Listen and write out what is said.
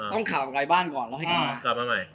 ต้องข่าวออกไว้แบบบ้านก่อนแล้วให้เกิดงาน